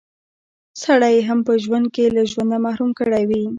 سړی يې هم په ژوند کښې له ژونده محروم کړی وي